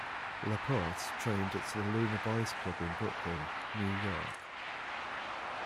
Laporte trained at the Lunar Boys Club in Brooklyn, New York.